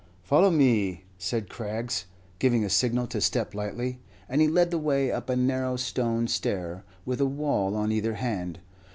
"Follow me," said Craggs, giving a signal to step lightly; and he led the way up a narrow stone stair, with a wall on either hand.